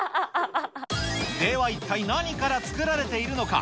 では一体何から作られているのか。